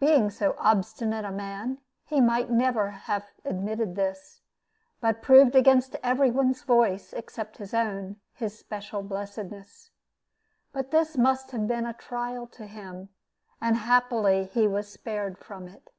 Being so obstinate a man, he might have never admitted this, but proved against every one's voice, except his own, his special blessedness. But this must have been a trial to him, and happily he was spared from it.